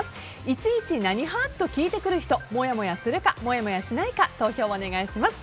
いちいち何派？と聞いてくる人もやもやするかもやもやしないか投票をお願いします。